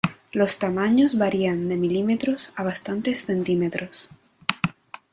Los tamaños varían de milímetros a bastantes centímetros.